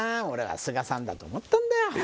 俺は菅さんだと思ったんだよ。